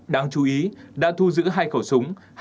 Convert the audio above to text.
đáng chú ý đã thu giữ hai khẩu súng